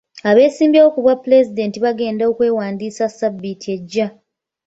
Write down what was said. Abeesimbyewo ku bwapulezidenti bagenda okwewandiisa Ssabbiiti ejja.